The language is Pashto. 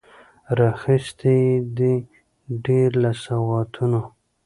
راخیستي یې دي، ډیر له سوغاتونو